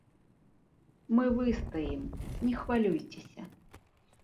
Мы выстаім, не хвалюйцеся.